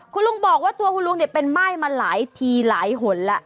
คุณลุงบอกว่าตัวคุณลุงเนี่ยเป็นไหม้มาหลายทีหลายหนแล้ว